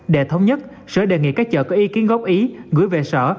để thống nhất sở đề nghị các chợ có ý kiến góp ý gửi về sở